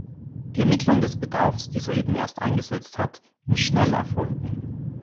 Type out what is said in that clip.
Die Ermittlung des Bedarfs, die soeben erst eingesetzt hat, muss schnell erfolgen.